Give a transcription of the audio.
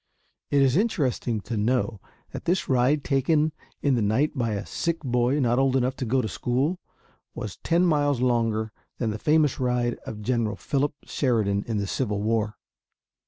It is interesting to know that this ride taken in the night by a sick boy not old enough to go to school was ten miles longer than the famous ride of General Philip Sheridan in the Civil War.